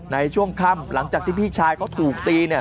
ในช่วงค่ำหลังจากที่พี่ชายเขาถูกตีเนี่ย